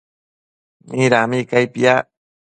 Midami cai piac?